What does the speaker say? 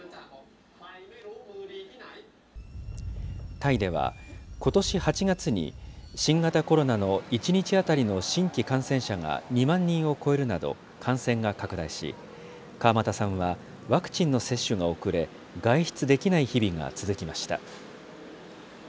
タイでは、ことし８月に新型コロナの１日当たりの新規感染者が２万人を超えるなど、感染が拡大し、川俣さんはワクチンの接種が遅れ、外出できない日々が続きました。